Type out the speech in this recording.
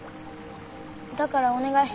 だからお願い。